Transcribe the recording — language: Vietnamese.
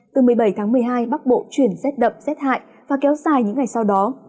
từ một mươi bảy tháng một mươi hai bắc bộ chuyển rét đậm rét hại và kéo dài những ngày sau đó